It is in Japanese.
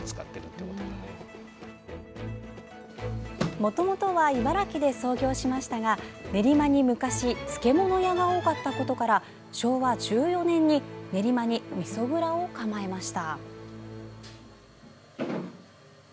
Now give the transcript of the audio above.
もともとは茨城で創業しましたが練馬に昔漬物屋が多かったことから昭和１４年に練馬にみそ蔵を構えました。